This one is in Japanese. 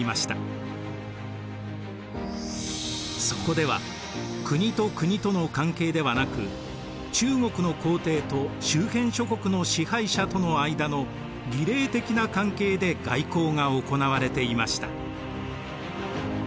そこでは国と国との関係ではなく中国の皇帝と周辺諸国の支配者との間の儀礼的な関係で外交が行われていました。